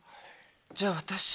じゃあ私